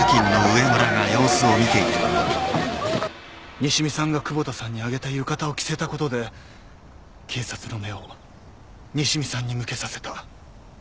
西見さんが窪田さんにあげた浴衣を着せたことで警察の目を西見さんに向けさせた。